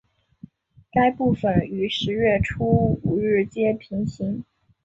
该部份与十月初五日街平行。